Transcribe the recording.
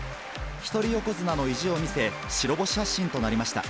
一人横綱の意地を見せ、白星発進となりました。